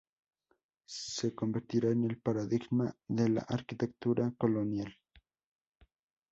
Se convertirá en el paradigma de la arquitectura colonial.